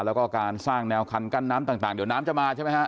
แล้วก็การสร้างแนวคันกั้นน้ำต่างเดี๋ยวน้ำจะมาใช่ไหมฮะ